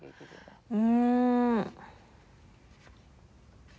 うん。